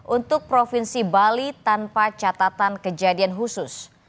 untuk provinsi bali tanpa catatan kejadian khusus